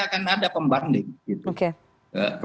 akan ada pembanding oke